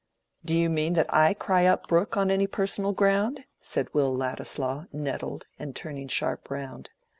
"Do you mean that I cry up Brooke on any personal ground?" said Will Ladislaw, nettled, and turning sharp round.